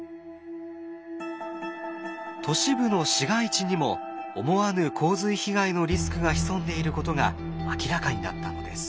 都市部の市街地にも思わぬ洪水被害のリスクが潜んでいることが明らかになったのです。